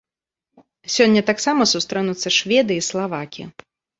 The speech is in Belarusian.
Сёння таксама сустрэнуцца шведы і славакі.